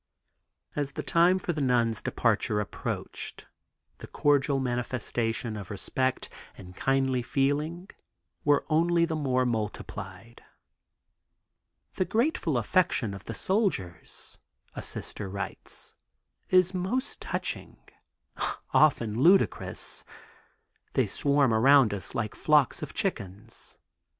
As the time for the nuns' departure approached the cordial manifestations of respect and kindly feeling were only the more multiplied. "The grateful affection of the soldiers (a Sister writes) is most touching, often ludicrous. They swarm around us like flocks of chickens.